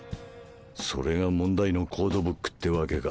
それが問題のコードブックってわけか。